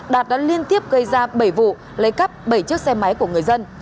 đạt đã liên tiếp gây ra bảy vụ lấy cắp bảy chiếc xe máy của người dân